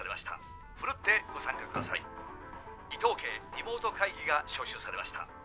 伊藤家リモート会議が招集されました。